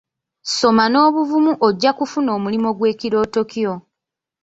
Ssoma n'obuvumu ojja kufuna omulimu gw'ekirooto kyo.